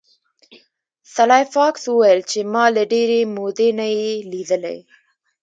سلای فاکس وویل چې ما له ډیرې مودې نه یې لیدلی